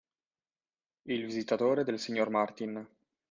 Il visitatore del signor Martin.